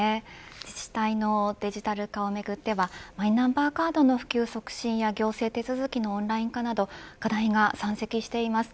自治体のデジタル化をめぐってはマイナンバーカードの普及促進や行政手続きのオンライン化など課題が山積しています。